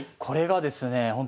これがですねえ